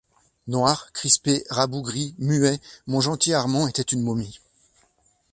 Noir, crispé, rabougri, muet, mon gentil Armand était une momie.